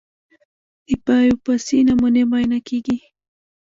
د بایوپسي نمونې معاینه کېږي.